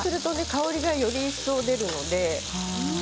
香りがより一層出るので。